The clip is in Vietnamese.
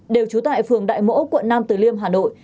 đều trú tại phường đại mỗ quận nam từ liêm hà nội